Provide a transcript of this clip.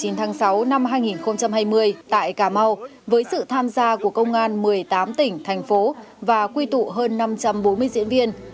hội diễn nghệ thuật quần chúng công an nhân dân năm hai nghìn hai mươi tại cà mau với sự tham gia của công an một mươi tám tỉnh thành phố và quy tụ hơn năm trăm bốn mươi diễn viên